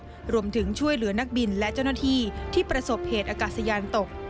รวมถึงช่วยเหลือนักบินและเจ้าหน้าที่ที่ประสบเหตุอากาศยานตก